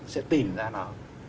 sẽ tìm ra nó